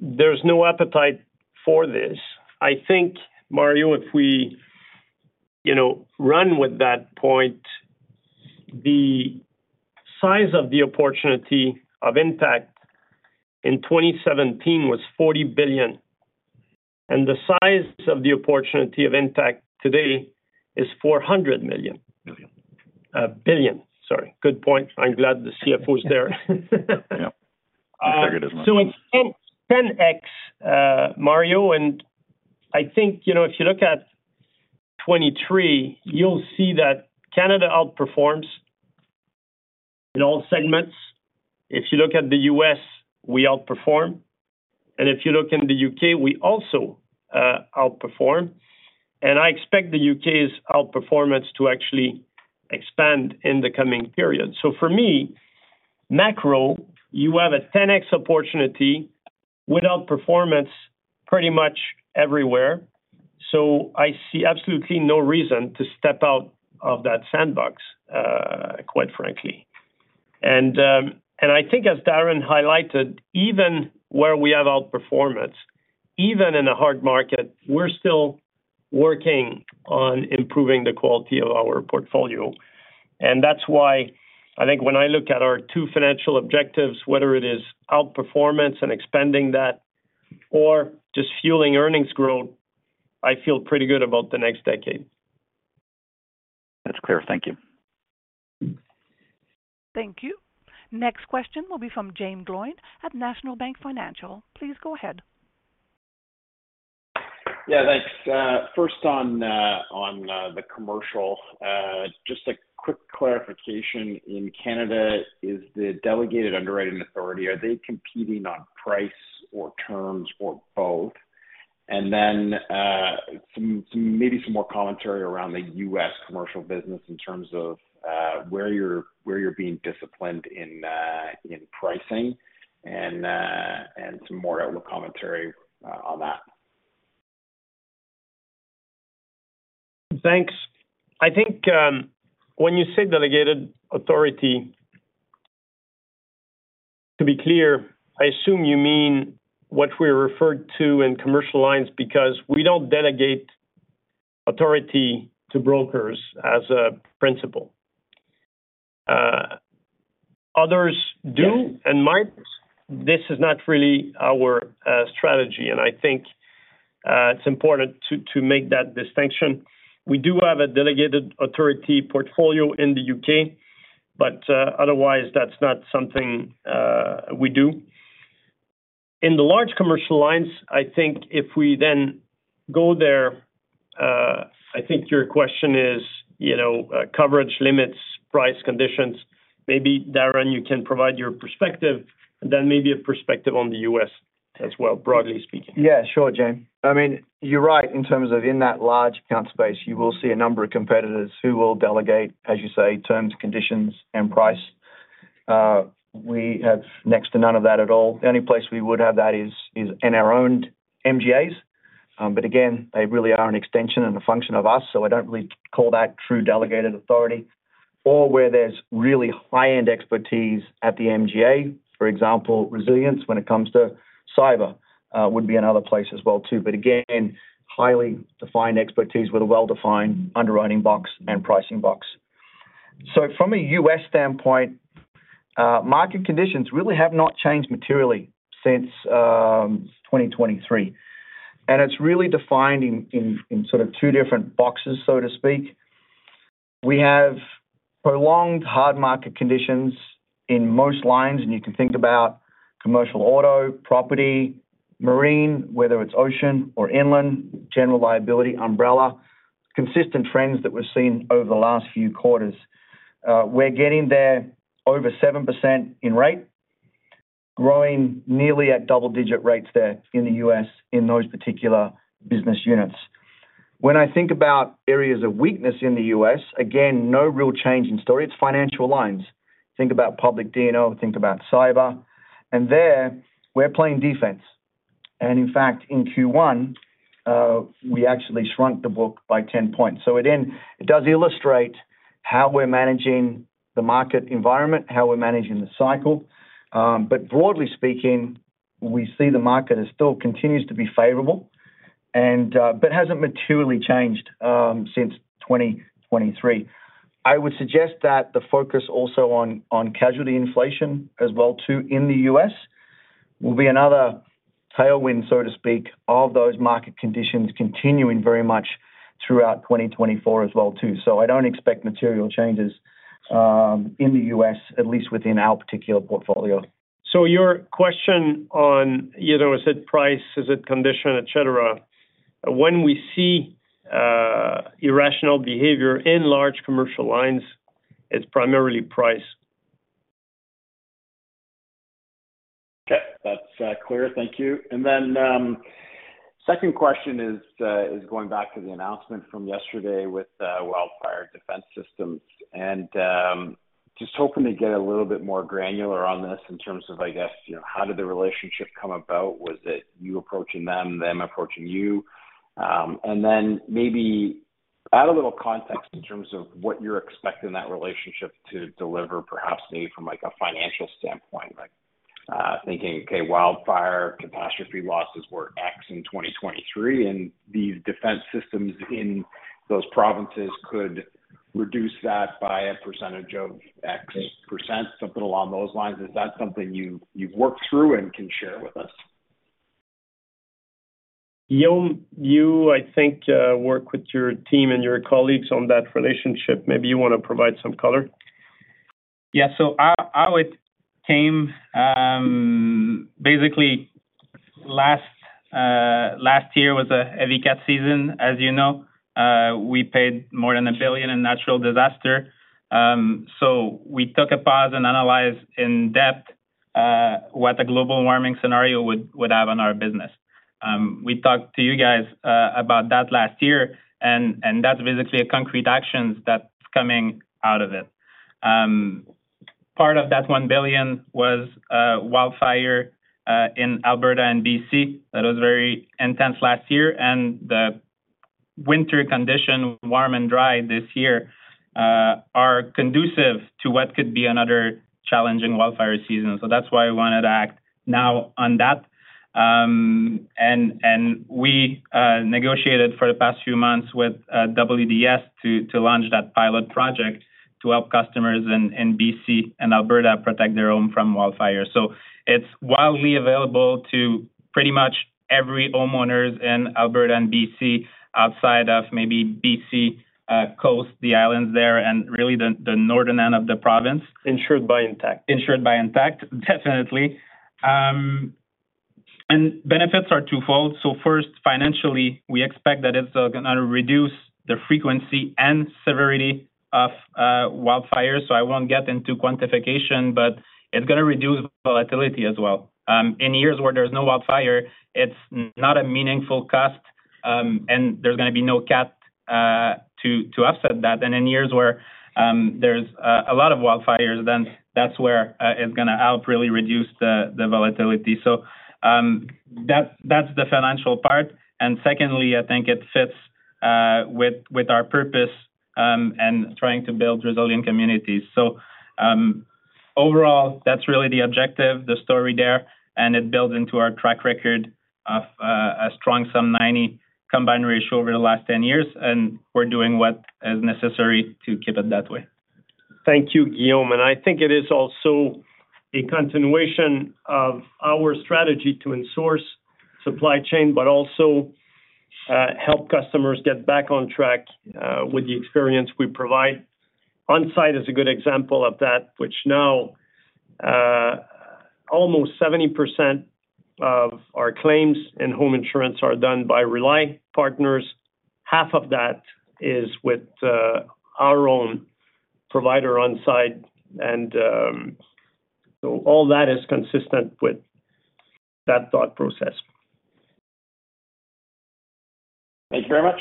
There's no appetite for this. I think, Mario, if we, you know, run with that point, the size of the opportunity of Intact in 2017 was 40 billion, and the size of the opportunity of Intact today is 400 million. Million. Billion. Sorry. Good point. I'm glad the CFO is there. Yeah. So it's 10x, Mario, and I think, you know, if you look at 2023, you'll see that Canada outperforms in all segments. If you look at the U.S., we outperform, and if you look in the U.K., we also outperform. And I expect the U.K.'s outperformance to actually expand in the coming period. So for me, macro, you have a 10x opportunity without performance pretty much everywhere, so I see absolutely no reason to step out of that sandbox, quite frankly. And, and I think as Darren highlighted, even where we have outperformance, even in a hard market, we're still working on improving the quality of our portfolio. And that's why I think when I look at our two financial objectives, whether it is outperformance and expanding that or just fueling earnings growth, I feel pretty good about the next decade. That's clear. Thank you. Thank you. Next question will be from Jaeme Gloyn at National Bank Financial. Please go ahead. Yeah, thanks. First on the commercial, just a quick clarification. In Canada, is the delegated underwriting authority, are they competing on price or terms or both? And then, some maybe some more commentary around the U.S. commercial business in terms of where you're being disciplined in pricing, and some more overall commentary on that. Thanks. I think, when you say delegated authority, to be clear, I assume you mean what we refer to in commercial lines, because we don't delegate authority to brokers as a principle. Others do and might. This is not really our strategy, and I think it's important to make that distinction. We do have a delegated authority portfolio in the U.K., but otherwise, that's not something we do. In the large commercial lines, I think if we then go there, I think your question is, you know, coverage limits, price conditions. Maybe, Darren, you can provide your perspective, and then maybe a perspective on the U.S. as well, broadly speaking. Yeah, sure, Jaeme. I mean, you're right in terms of in that large account space, you will see a number of competitors who will delegate, as you say, terms, conditions, and price. We have next to none of that at all. The only place we would have that is in our own MGAs. But again, they really are an extension and a function of us, so I don't really call that true delegated authority. Or where there's really high-end expertise at the MGA, for example, resilience when it comes to cyber, would be another place as well, too. But again, highly defined expertise with a well-defined underwriting box and pricing box. So from a U.S. standpoint, market conditions really have not changed materially since 2023, and it's really defined in sort of two different boxes, so to speak. We have prolonged hard market conditions in most lines, and you can think about commercial auto, property, marine, whether it's ocean or inland, general liability, umbrella, consistent trends that we've seen over the last few quarters. We're getting there over 7% in rate, growing nearly at double-digit rates there in the U.S. in those particular business units. When I think about areas of weakness in the U.S., again, no real change in story, it's financial lines. Think about public D&O, think about cyber, and there, we're playing defense. And in fact, in Q1, we actually shrunk the book by 10 points. So it then, it does illustrate how we're managing the market environment, how we're managing the cycle. But broadly speaking, we see the market as still continues to be favorable and, but hasn't materially changed since 2023. I would suggest that the focus also on casualty inflation as well, too, in the U.S., will be another tailwind, so to speak, of those market conditions continuing very much throughout 2024 as well, too. So I don't expect material changes in the U.S., at least within our particular portfolio. So your question on, you know, is it price, is it condition, et cetera? When we see irrational behavior in large commercial lines, it's primarily price. Okay, that's clear. Thank you. And then second question is going back to the announcement from yesterday with Wildfire Defense Systems, and just hoping to get a little bit more granular on this in terms of, I guess, you know, how did the relationship come about? Was it you approaching them, them approaching you? And then maybe add a little context in terms of what you're expecting that relationship to deliver, perhaps maybe from, like, a financial standpoint, like thinking, okay, wildfire catastrophe losses were X in 2023, and these defense systems in those provinces could reduce that by a percentage of X percent. Something along those lines. Is that something you've worked through and can share with us? Guillaume, you, I think, work with your team and your colleagues on that relationship. Maybe you want to provide some color. Yeah. So how it came, basically last year was a heavy cat season, as you know. We paid more than 1 billion in natural disaster. So we took a pause and analyzed in depth what the global warming scenario would have on our business. We talked to you guys about that last year, and that's basically concrete actions that's coming out of it. Part of that 1 billion was wildfire in Alberta and B.C. That was very intense last year, and the winter condition, warm and dry this year, are conducive to what could be another challenging wildfire season. So that's why we wanted to act now on that. And we negotiated for the past few months with WDS to launch that pilot project to help customers in B.C. and Alberta protect their own from wildfire. So it's widely available to pretty much every homeowners in Alberta and B.C., outside of maybe B.C. coast, the islands there, and really the northern end of the province. Insured by Intact. Insured by Intact, definitely. And benefits are twofold. So first, financially, we expect that it's gonna reduce the frequency and severity of wildfires. So I won't get into quantification, but it's gonna reduce volatility as well. In years where there's no wildfire, it's not a meaningful cost, and there's gonna be no cap to offset that. And in years where there's a lot of wildfires, then that's where it's gonna help really reduce the volatility. So that's the financial part. And secondly, I think it fits with our purpose in trying to build resilient communities. Overall, that's really the objective, the story there, and it builds into our track record of a strong sub-90 combined ratio over the last 10 years, and we're doing what is necessary to keep it that way. Thank you, Guillaume. I think it is also a continuation of our strategy to insource supply chain, but also, help customers get back on track, with the experience we provide. On Side is a good example of that, which now, almost 70% of our claims in home insurance are done by Rely partners. Half of that is with, our own provider On Side, and, so all that is consistent with that thought process. Thank you very much.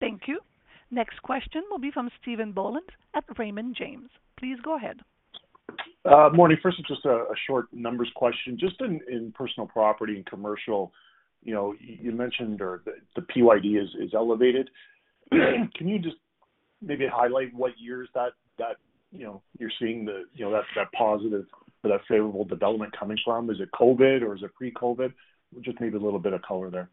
Thank you. Next question will be from Stephen Boland at Raymond James. Please go ahead. Morning. First, just a short numbers question. Just in personal property and commercial, you know, you mentioned or the PYD is elevated. Can you just maybe highlight what years that, you know, you're seeing the, you know, that positive or that favorable development coming from? Is it COVID or is it pre-COVID? Just maybe a little bit of color there.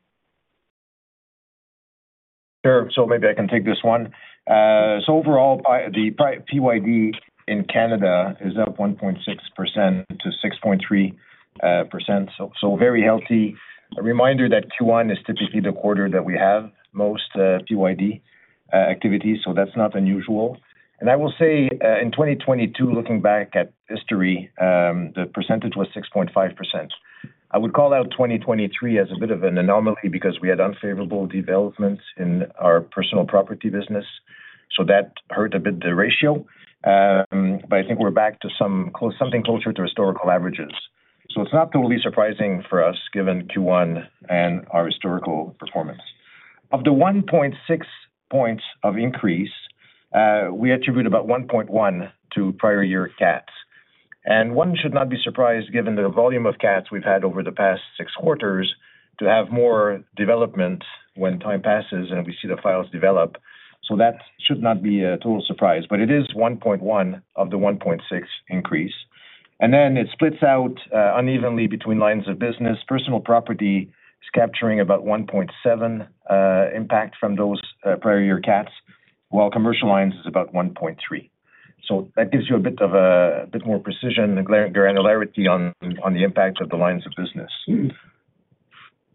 Sure. So maybe I can take this one. So overall, the PYD in Canada is up 1.6% to 6.3%, so very healthy. A reminder that Q1 is typically the quarter that we have most PYD activity, so that's not unusual. And I will say, in 2022, looking back at history, the percentage was 6.5%. I would call out 2023 as a bit of an anomaly because we had unfavorable developments in our personal property business, so that hurt a bit the ratio. But I think we're back to something closer to historical averages. So it's not totally surprising for us, given Q1 and our historical performance. Of the 1.6 points of increase, we attribute about 1.1 to prior year CATs. And one should not be surprised, given the volume of CATs we've had over the past six quarters, to have more development when time passes and we see the files develop. So that should not be a total surprise, but it is 1.1 of the 1.6 increase. And then it splits out unevenly between lines of business. Personal property is capturing about 1.7 impact from those prior year CATs, while commercial lines is about 1.3. So that gives you a bit of a bit more precision and granularity on the impact of the lines of business.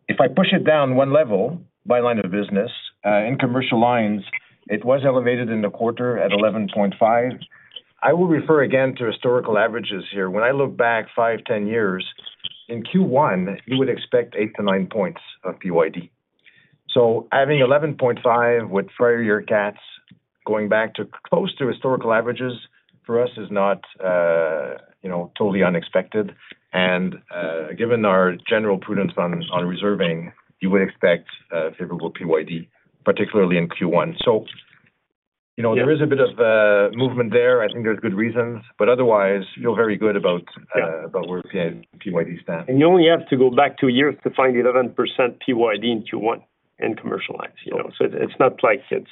If I push it down one level, by line of business, in commercial lines, it was elevated in the quarter at 11.5. I will refer again to historical averages here. When I look back 5, 10 years, in Q1, you would expect 8-9 points of PYD. So having 11.5 with prior year CATs, going back to close to historical averages for us is not, you know, totally unexpected. And, given our general prudence on reserving, you would expect a favorable PYD, particularly in Q1. So, you know, there is a bit of movement there. I think there's good reasons, but otherwise, feel very good about where PYD stand. You only have to go back two years to find 11% PYD in Q1 in commercial lines, you know? It's not like it's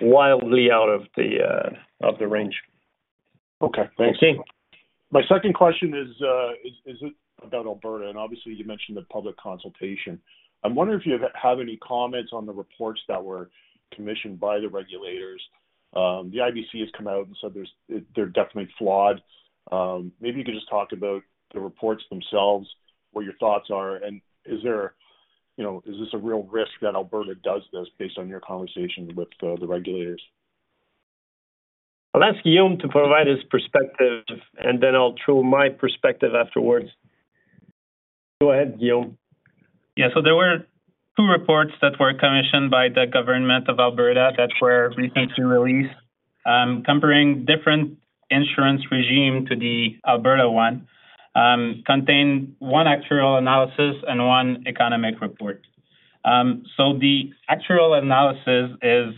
wildly out of the range. Okay, thanks. Okay. My second question is about Alberta, and obviously you mentioned the public consultation. I'm wondering if you have any comments on the reports that were commissioned by the regulators. The IBC has come out and said they're definitely flawed. Maybe you could just talk about the reports themselves, what your thoughts are, and is there, you know, is this a real risk that Alberta does this based on your conversations with the regulators? I'll ask Guillaume to provide his perspective, and then I'll throw my perspective afterwards. Go ahead, Guillaume. Yeah. So there were two reports that were commissioned by the Government of Alberta that were recently released, comparing different insurance regime to the Alberta one, contained one actuarial analysis and one economic report. So the actuarial analysis is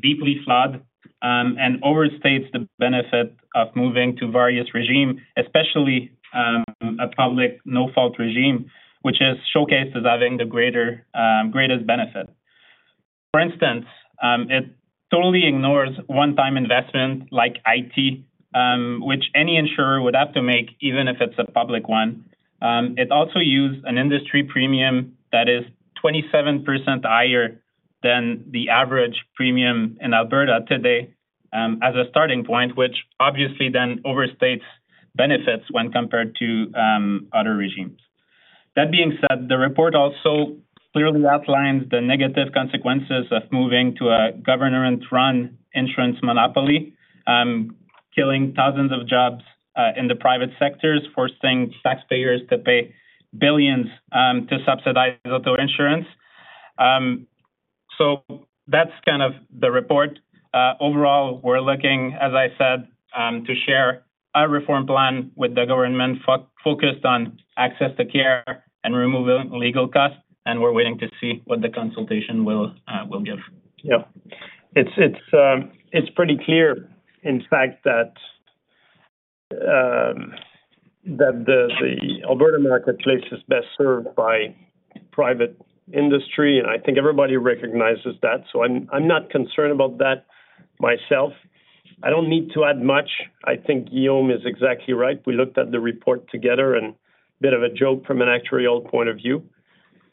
deeply flawed, and overstates the benefit of moving to various regime, especially, a public no-fault regime, which is showcased as having the greater, greatest benefit. For instance, it totally ignores one-time investment like IT, which any insurer would have to make, even if it's a public one. It also used an industry premium that is 27% higher than the average premium in Alberta today, as a starting point, which obviously then overstates benefits when compared to, other regimes. That being said, the report also clearly outlines the negative consequences of moving to a government-run insurance monopoly, killing thousands of jobs, in the private sectors, forcing taxpayers to pay billions to subsidize auto insurance. So that's kind of the report. Overall, we're looking, as I said, to share our reform plan with the government, focused on access to care and removing legal costs, and we're waiting to see what the consultation will give. Yeah. It's pretty clear, in fact, that the Alberta marketplace is best served by private industry, and I think everybody recognizes that. So I'm not concerned about that myself. I don't need to add much. I think Guillaume is exactly right. We looked at the report together, and it's a bit of a joke from an actuarial point of view.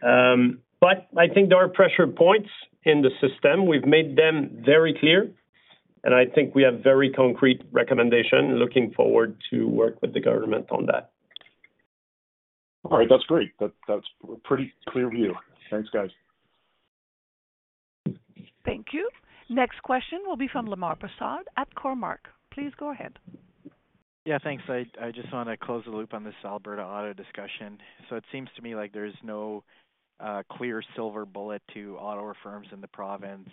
But I think there are pressure points in the system. We've made them very clear, and I think we have very concrete recommendations. Looking forward to working with the government on that. All right, that's great. That, that's a pretty clear view. Thanks, guys. Thank you. Next question will be from Lemar Persaud at Cormark. Please go ahead. Yeah, thanks. I, I just want to close the loop on this Alberta auto discussion. So it seems to me like there's no, clear silver bullet to auto reforms in the province,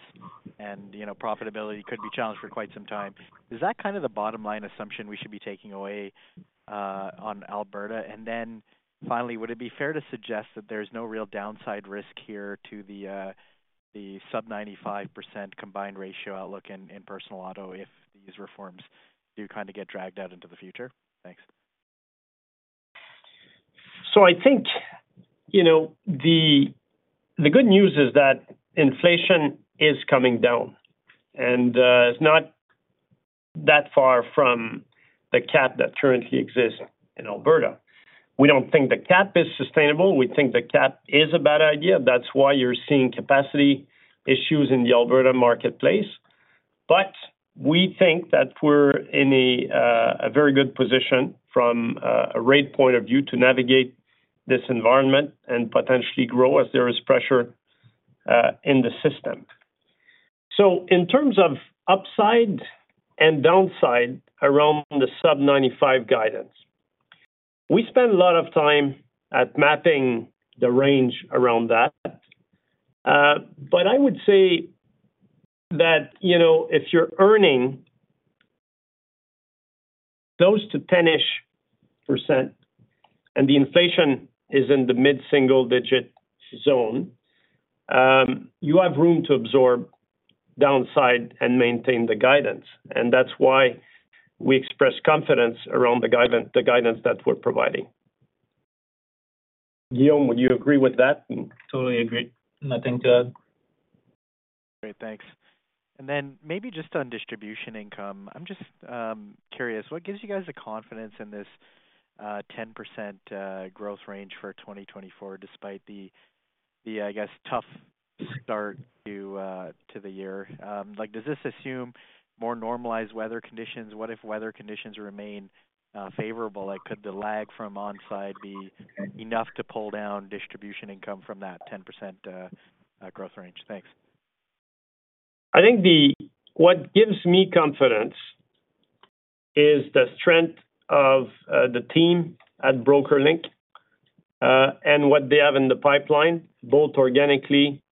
and, you know, profitability could be challenged for quite some time. Is that kind of the bottom line assumption we should be taking away, on Alberta? And then finally, would it be fair to suggest that there's no real downside risk here to the, the sub-95% combined ratio outlook in, personal auto if these reforms do kind of get dragged out into the future? Thanks. So I think, you know, the good news is that inflation is coming down, and it's not that far from the cap that currently exists in Alberta. We don't think the cap is sustainable. We think the cap is a bad idea. That's why you're seeing capacity issues in the Alberta marketplace. But we think that we're in a very good position from a rate point of view, to navigate this environment and potentially grow as there is pressure in the system. So in terms of upside and downside around the sub-95 guidance, we spend a lot of time at mapping the range around that. But I would say that, you know, if you're earning close to 10%-ish and the inflation is in the mid-single-digit zone, you have room to absorb downside and maintain the guidance, and that's why we express confidence around the guidance, the guidance that we're providing. Guillaume, would you agree with that? Totally agree. Nothing to add. Great, thanks. Then maybe just on distribution income, I'm just curious, what gives you guys the confidence in this 10% growth range for 2024, despite the, I guess, tough start to the year? Like, does this assume more normalized weather conditions? What if weather conditions remain favorable? Like, could the lag from On Side be enough to pull down distribution income from that 10% growth range? Thanks. I think what gives me confidence is the strength of the team at BrokerLink, and what they have in the pipeline, both organically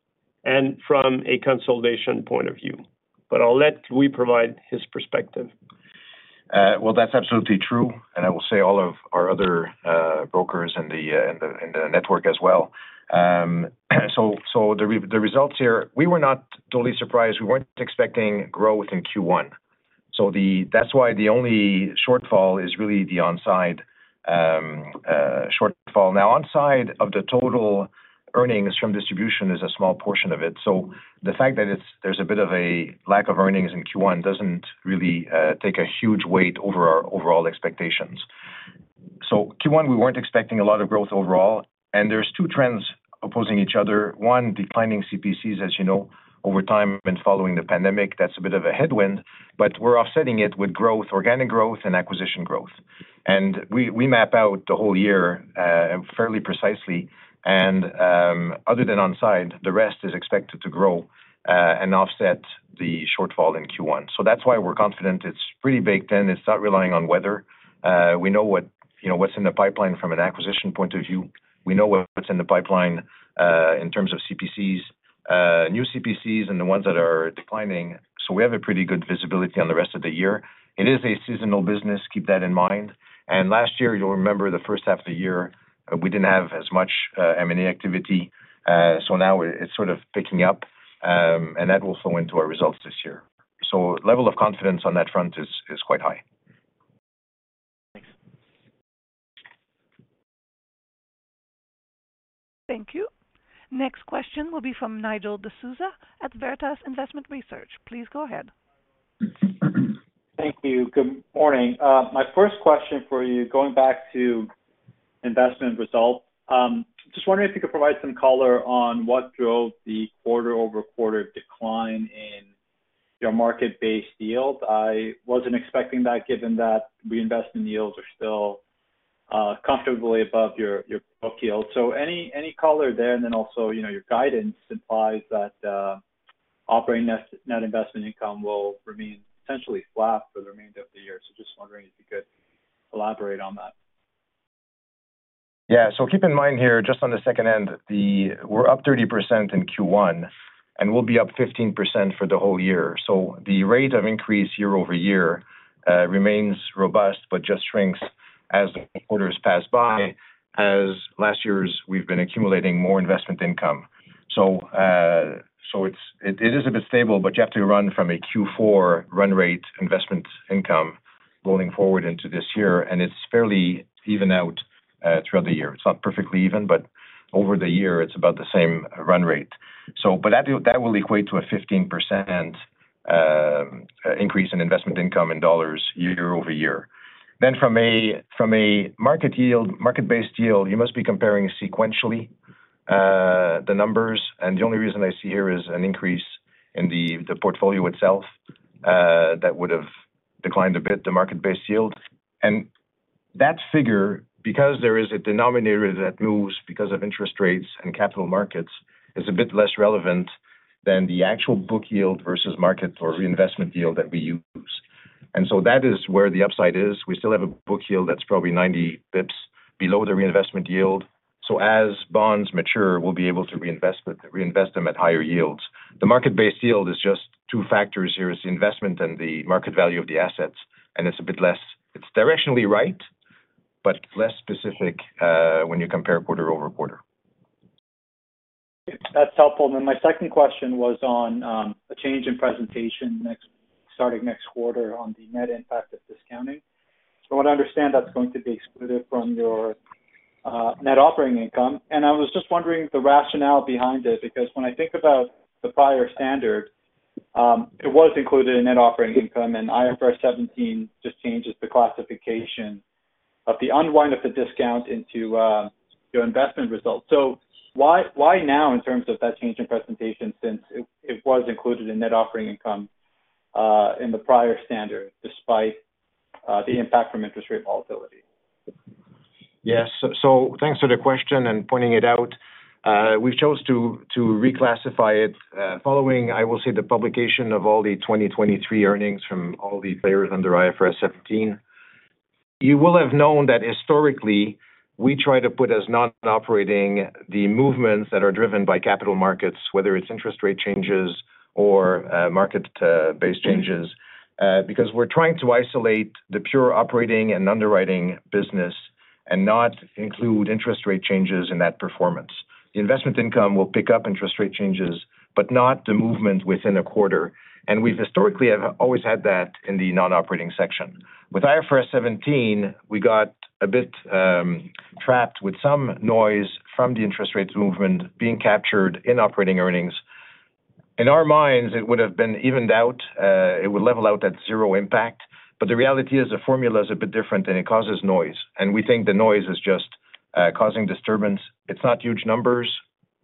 and from a consolidation point of view. But I'll let Louis provide his perspective. Well, that's absolutely true, and I will say all of our other brokers in the network as well. So the results here, we were not totally surprised. We weren't expecting growth in Q1, so that's why the only shortfall is really the On Side shortfall. Now, On Side, of the total earnings from distribution is a small portion of it. So the fact that it's, there's a bit of a lack of earnings in Q1, doesn't really take a huge weight over our overall expectations. So Q1, we weren't expecting a lot of growth overall, and there's two trends opposing each other. One, declining CPCs, as you know, over time and following the pandemic, that's a bit of a headwind, but we're offsetting it with growth, organic growth and acquisition growth. And we map out the whole year fairly precisely, and other than On Side, the rest is expected to grow and offset the shortfall in Q1. So that's why we're confident. It's pretty baked in. It's not relying on weather. We know what, you know, what's in the pipeline from an acquisition point of view. We know what's in the pipeline in terms of CPCs, new CPCs and the ones that are declining, so we have a pretty good visibility on the rest of the year. It is a seasonal business, keep that in mind. And last year, you'll remember the first half of the year, we didn't have as much M&A activity, so now it is sort of picking up, and that will flow into our results this year. So level of confidence on that front is quite high. Thanks. Thank you. Next question will be from Nigel D'Souza at Veritas Investment Research. Please go ahead. Thank you. Good morning. My first question for you, going back to investment results. Just wondering if you could provide some color on what drove the quarter-over-quarter decline in your market-based yield. I wasn't expecting that, given that reinvestment yields are still comfortably above your book yield. So any color there, and then also, you know, your guidance implies that operating net investment income will remain essentially flat for the remainder of the year. So just wondering if you could elaborate on that. Yeah. So keep in mind here, just on the second end, the- we're up 30% in Q1, and we'll be up 15% for the whole year. So the rate of increase year-over-year remains robust, but just shrinks as the quarters pass by, as last year's, we've been accumulating more investment income. So it's a bit stable, but you have to run from a Q4 run rate investment income going forward into this year, and it's fairly evened out throughout the year. It's not perfectly even, but over the year it's about the same run rate. So but that will equate to a 15% increase in investment income in dollars year-over-year. Then from a market yield, market-based yield, you must be comparing sequentially the numbers, and the only reason I see here is an increase in the portfolio itself that would have declined a bit, the market-based yield. And that figure, because there is a denominator that moves because of interest rates and capital markets, is a bit less relevant than the actual book yield versus market or reinvestment yield that we use. And so that is where the upside is. We still have a book yield that's probably 90 bps below the reinvestment yield, so as bonds mature, we'll be able to reinvest it, reinvest them at higher yields. The market-based yield is just two factors. There is the investment and the market value of the assets, and it's a bit less. It's directionally right, but less specific when you compare quarter-over-quarter. That's helpful. Then my second question was on a change in presentation next—starting next quarter on the net impact of discounting. So I want to understand that's going to be excluded from your net operating income. And I was just wondering the rationale behind it, because when I think about the prior standard, it was included in net operating income, and IFRS 17 just changes the classification of the unwind of the discount into your investment results. So why, why now in terms of that change in presentation, since it was included in net operating income in the prior standard, despite the impact from interest rate volatility? Yes. So thanks for the question and pointing it out. We chose to reclassify it following, I will say, the publication of all the 2023 earnings from all the players under IFRS 17. You will have known that historically, we try to put as not operating the movements that are driven by capital markets, whether it's interest rate changes or market based changes because we're trying to isolate the pure operating and underwriting business and not include interest rate changes in that performance. The investment income will pick up interest rate changes, but not the movement within a quarter, and we've historically have always had that in the non-operating section. With IFRS 17, we got a bit trapped with some noise from the interest rates movement being captured in operating earnings. In our minds, it would have been evened out, it would level out at zero impact. But the reality is, the formula is a bit different and it causes noise, and we think the noise is just causing disturbance. It's not huge numbers.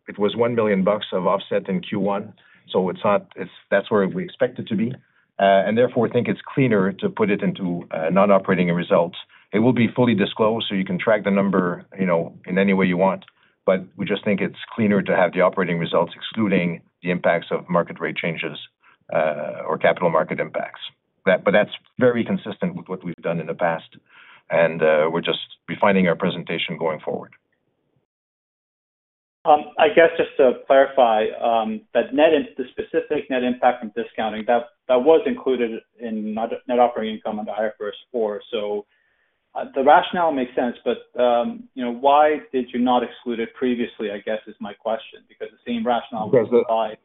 It was 1 million bucks of offset in Q1, so it's not, it's-- that's where we expect it to be. And therefore, think it's cleaner to put it into non-operating results. It will be fully disclosed, so you can track the number, you know, in any way you want, but we just think it's cleaner to have the operating results excluding the impacts of market rate changes or capital market impacts. But that's very consistent with what we've done in the past, and we're just refining our presentation going forward. I guess just to clarify, that specific net impact from discounting, that was included in net operating income under IFRS 4. The rationale makes sense, but, you know, why did you not exclude it previously? I guess is my question, because the same rationale applies.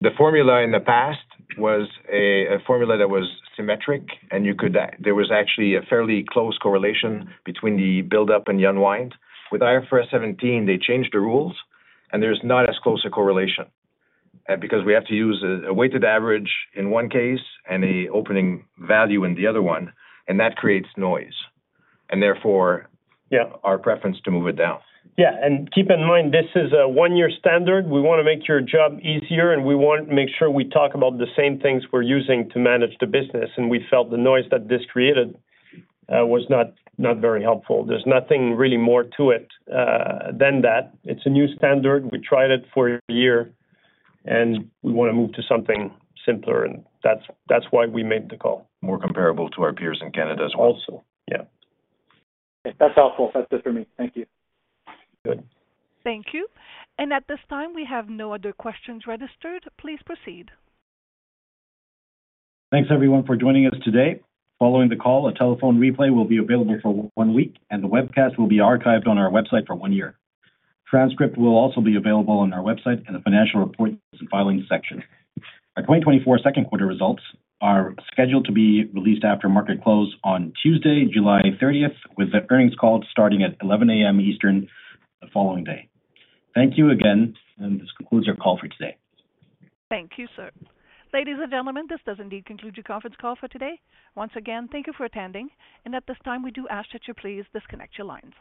The formula in the past was a formula that was symmetric, and there was actually a fairly close correlation between the buildup and the unwind. With IFRS 17, they changed the rules, and there's not as close a correlation, because we have to use a weighted average in one case and an opening value in the other one, and that creates noise, and therefore- Yeah. Our preference to move it down. Yeah, and keep in mind, this is a one-year standard. We want to make your job easier, and we want to make sure we talk about the same things we're using to manage the business, and we felt the noise that this created, was not, not very helpful. There's nothing really more to it, than that. It's a new standard. We tried it for a year, and we want to move to something simpler, and that's, that's why we made the call. More comparable to our peers in Canada as well. Also, yeah. That's helpful. That's it for me. Thank you. Good. Thank you. At this time, we have no other questions registered. Please proceed. Thanks, everyone, for joining us today. Following the call, a telephone replay will be available for one week, and the webcast will be archived on our website for one year. Transcript will also be available on our website in the Financial Reports and Filings section. Our 2024 second quarter results are scheduled to be released after market close on Tuesday, July 30, with the earnings call starting at 11 A.M. Eastern the following day. Thank you again, and this concludes our call for today. Thank you, sir. Ladies and gentlemen, this does indeed conclude your conference call for today. Once again, thank you for attending, and at this time, we do ask that you please disconnect your lines.